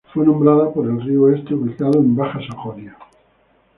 Fue nombrada por el río Oste, ubicado en Baja Sajonia.